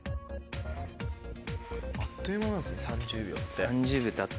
あっという間なんすね３０秒って。